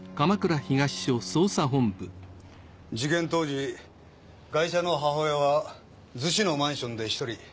事件当時ガイシャの母親は逗子のマンションで一人。